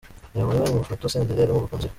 Reba amwe mu mafoto Senderi ari mu bakunzi be.